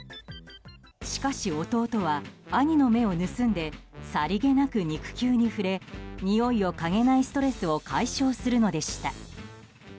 しかし、弟は兄の目を盗んでさりげなく肉球に触れにおいをかげないストレスを解消するのでした。